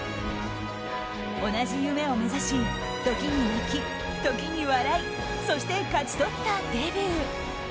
同じ夢を目指し時に泣き、時に笑いそして勝ち取ったデビュー。